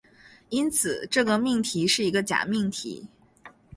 因此，这个命题是一个假命题。